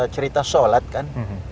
cerita sholat kan